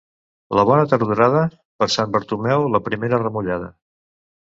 La bona tardorada, per Sant Bartomeu la primera remullada.